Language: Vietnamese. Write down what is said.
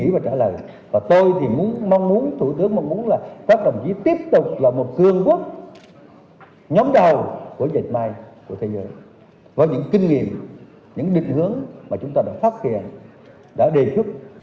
và tôi thì mong muốn thủ tướng mong muốn là các đồng chí tiếp tục là một cường quốc nhóm đầu của dạy mai của thế giới với những kinh nghiệm những định hướng mà chúng ta đã phát hiện đã đề xuất